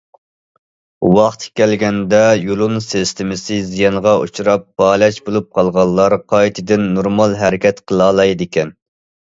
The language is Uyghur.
ۋاقتى كەلگەندە يۇلۇن سىستېمىسى زىيانغا ئۇچراپ پالەچ بولۇپ قالغانلار قايتىدىن نورمال ھەرىكەت قىلالايدىكەن.